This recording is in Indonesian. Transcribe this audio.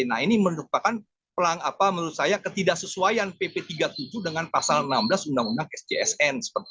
nah ini merupakan menurut saya ketidaksesuaian pp tiga puluh tujuh dengan pasal enam belas undang undang sjsn